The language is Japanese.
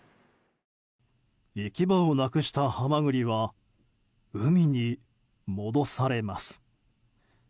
行き場をなくしたハマグリは海に戻されます。